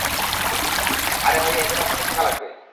আরে ভাইয়া এতো টাকা তো একসাথে থাকা লাগবে।